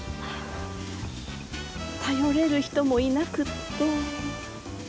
頼れる人もいなくって。